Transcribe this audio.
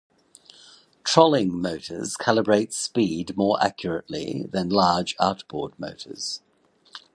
Trolling motors calibrate speed more accurately than large outboard motors.